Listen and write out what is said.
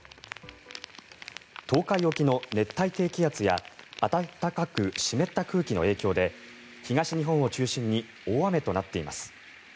東海沖の熱帯低気圧や暖かく湿った空気の影響で東日本を中心に大雨となっています。